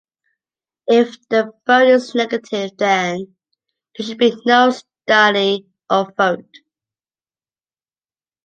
If the vote is negative, then there should be no study or vote.